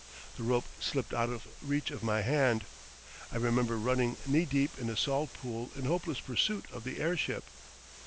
The rope slipped out of reach of my hand. I remember running knee deep in a salt pool in hopeless pursuit of the airship.